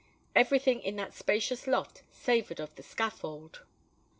Every thing in that spacious loft savoured of the scaffold!